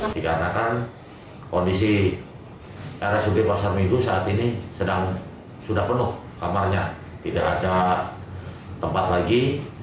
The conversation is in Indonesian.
dikarenakan kondisi rsud pasar minggu saat ini sudah penuh kamarnya tidak ada tempat lagi